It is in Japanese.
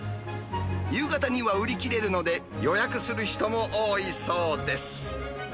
夕方には売り切れるので、予約する人も多いそうです。